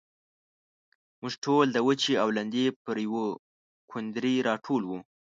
موږ ټول د وچې او لندې پر يوه کوندرې راټول وو.